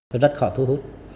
rất khó thu hút